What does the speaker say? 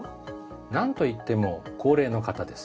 なんといっても高齢の方です。